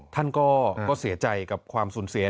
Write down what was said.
ท่านก็เสียใจกับความสูญเสีย